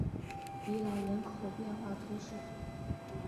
比朗人口变化图示